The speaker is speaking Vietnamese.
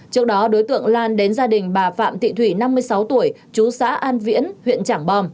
trước đó đối tượng lan đến gia đình bà phạm thị thủy năm mươi sáu tuổi chú xã an viễn huyện trảng bom